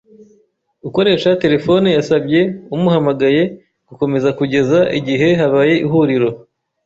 Ukoresha terefone yasabye umuhamagaye gukomeza kugeza igihe habaye ihuriro.